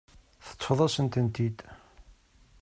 Teṭṭfeḍ-asen-tent-id.